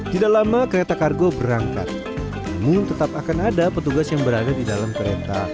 tidak lama kereta kargo berangkat namun tetap akan ada petugas yang berada di dalam kereta